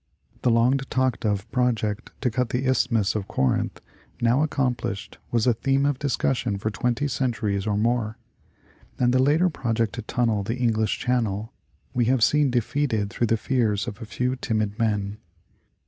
The long talked of project to cut the Isthmus of Corinth, now accomplished, was a theme of discussion for twenty centuries or more. And the later project to tunnel the English Channel we have seen defeated through the fears of a few timid men.